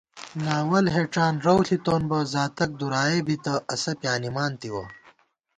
ناوَل ہېڄان رَؤ ݪِتون بہ زاتَک دُرائےبِتہ اسہ پیانِمان تِوَہ